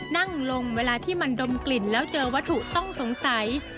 นั่งลงเวลาที่มันดมกลิ่นแล้วเจอวัตถุต้องสงสัย